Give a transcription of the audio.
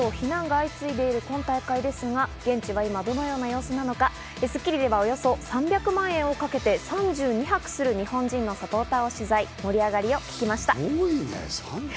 人権問題など非難が相次いでいる今大会ですが、現地は今どのような様子なのか『スッキリ』では、およそ３００万円をかけて３２泊する日本人のサポーターを取材。